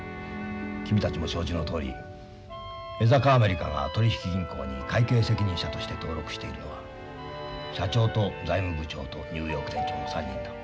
君たちも承知のとおり江坂アメリカが取引銀行に会計責任者として登録しているのは社長と財務部長とニューヨーク店長の３人だ。